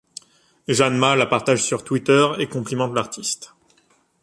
Jeanne Mas la partage sur Twitter et complimente l'artiste.